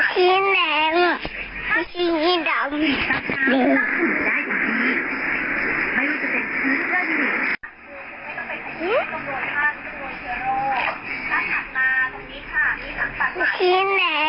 พี่แหน่งพี่ดำ